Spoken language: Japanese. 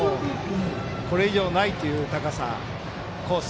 これ以上ないという高さ、コース。